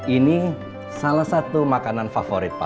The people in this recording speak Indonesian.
ini salah satu makanan favorit pak